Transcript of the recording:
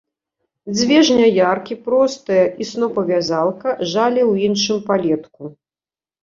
Дзве жняяркі, простая і снопавязалка, жалі ў іншым палетку.